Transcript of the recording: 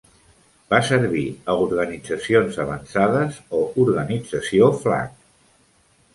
Va servir a Organitzacions Avançades o Organització Flag.